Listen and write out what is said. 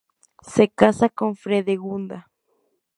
Se casa con Fredegunda.